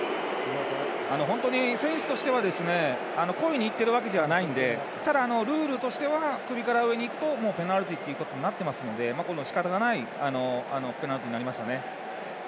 選手としては故意にいっているわけじゃないんでただ、ルールとしては首から上に行くとペナルティということになってますのでしかたがないペナルティになりました。